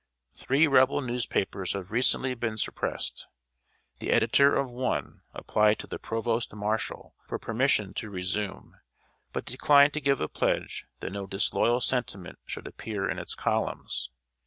Three Rebel newspapers have recently been suppressed. The editor of one applied to the provost marshal for permission to resume, but declined to give a pledge that no disloyal sentiment should appear in its columns.